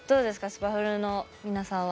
スパフルの皆さんは。